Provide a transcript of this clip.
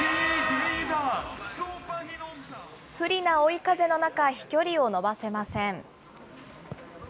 不利な追い風の中、飛距離を伸ばせません。